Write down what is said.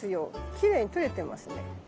きれいに撮れてますね。